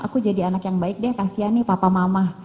aku jadi anak yang baik deh kasihan nih papa mama